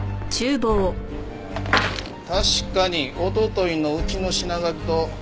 確かにおとといのうちの品書きとほぼ同じですな。